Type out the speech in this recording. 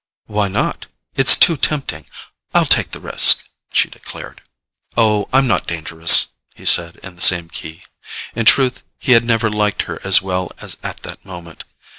"Why not? It's too tempting—I'll take the risk," she declared. "Oh, I'm not dangerous," he said in the same key. In truth, he had never liked her as well as at that moment.